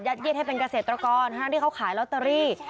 เย็ดให้เป็นเกษตรกรทั้งที่เขาขายลอตเตอรี่